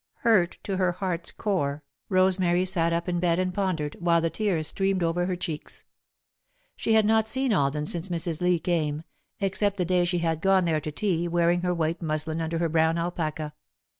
Hurt to her heart's core, Rosemary sat up in bed and pondered, while the tears streamed over her cheeks. She had not seen Alden since Mrs. Lee came, except the day she had gone there to tea, wearing her white muslin under her brown alpaca.